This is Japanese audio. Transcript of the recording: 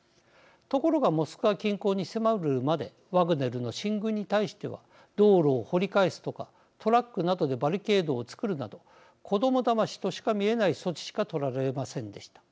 ところがモスクワ近郊に迫るまでワグネルの進軍に対しては道路を掘り返すとかトラックなどでバリケードを作るなど子どもだましとしか見えない措置しかとられませんでした。